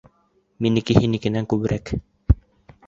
— Минеке һинекенән күберәк...